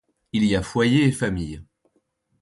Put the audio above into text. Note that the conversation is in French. Il y a foyers et familles.